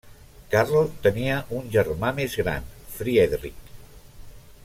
Karl tenia un germà més gran, Friedrich.